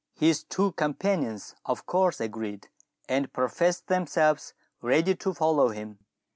His two companions of course agreed, and professed themselves ready to follow him.